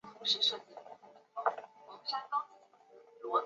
稻田仰卧秆藨草为莎草科藨草属下的一个变种。